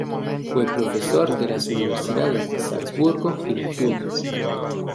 Fue profesor de las Universidades de Salzburgo y de Fiume.